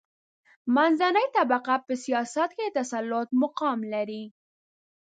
منځنۍ طبقه په سیاست کې د تسلط مقام لري.